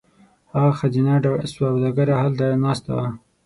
هغه ښځینه سوداګره هلته ناسته وه.